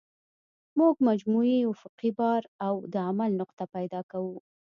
موږ مجموعي افقي بار او د عمل نقطه پیدا کوو